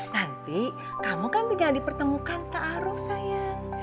nanti kamu kan tinggal dipertemukan ke arof sayang